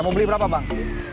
mau beli berapa bang